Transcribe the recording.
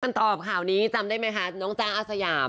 ตอบข่าวนี้จำได้ไหมคะน้องจ๊ะอาสยาม